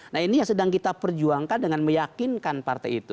nah ini yang sedang kita perjuangkan dengan meyakinkan partai itu